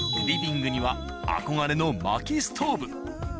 リビングには憧れの薪ストーブ。